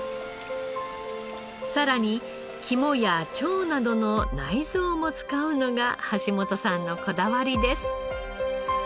さらに肝や腸などの内臓も使うのが橋本さんのこだわりです。